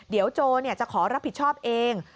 เดี๋ยวโจจะขอรับผิดชอบเอง